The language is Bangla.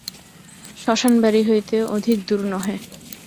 শ্মশান বাড়ি হইতে অধিক দূর নহে।